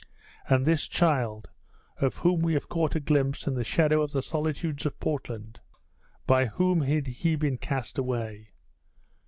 And this child, of whom we have caught a glimpse in the shadow of the solitudes of Portland, by whom had he been cast away?